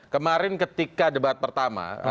kemarin ketika debat pertama